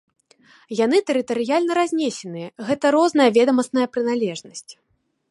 Яны тэрытарыяльна разнесеныя, гэта розная ведамасная прыналежнасць.